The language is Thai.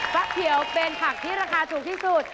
เขียวเป็นผักที่ราคาถูกที่สุด